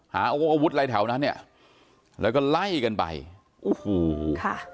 อาวงอาวุธอะไรแถวนั้นเนี่ยแล้วก็ไล่กันไปโอ้โหค่ะ